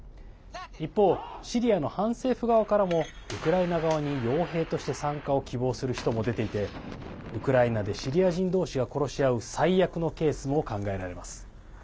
一方、シリアの反政府側からもウクライナ側によう兵として参加を希望する人も出ていてウクライナでシリア人どうしが殺し合う最悪のケースも考えられます。